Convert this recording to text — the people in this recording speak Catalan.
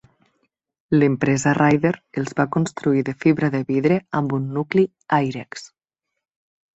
L'empresa Ryder els va construir de fibra de vidre amb un nucli Airex.